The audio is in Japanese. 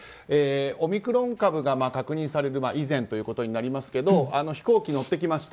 オミクロン株が確認される以前ということになりますけど飛行機に乗ってきました。